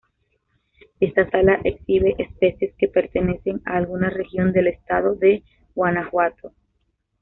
Esta sala exhibe especies que pertenecen a alguna región del Estado de Guanajuato.